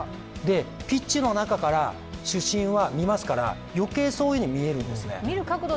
ピッチの中から主審は見ますから余計、そういうふうに見えるんですね。